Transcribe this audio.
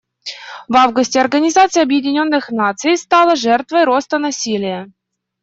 В августе Организация Объединенных Наций стала жертвой роста насилия.